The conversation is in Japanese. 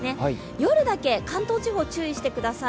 夜だけ、関東地方注意してください。